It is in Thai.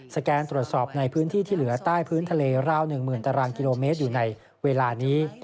แกนตรวจสอบในพื้นที่ที่เหลือใต้พื้นทะเลราว๑๐๐๐ตารางกิโลเมตรอยู่ในเวลานี้